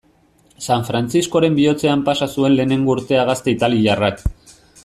San Frantziskoren bihotzean pasa zuen lehengo urtea gazte italiarrak.